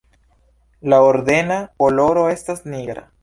La ordena koloro estas nigra.